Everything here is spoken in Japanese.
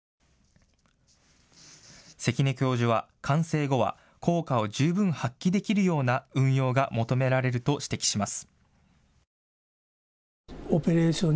関根教授は完成後は効果を十分発揮できるような運用が求められると指摘します。